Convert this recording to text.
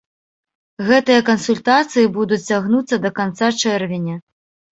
Гэтыя кансультацыі будуць цягнуцца да канца чэрвеня.